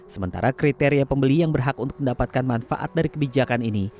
sementara kriteria pembeli yang berhak untuk mendapatkan manfaat dari kebijakan ini